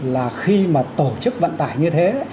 là khi mà tổ chức vận tải như thế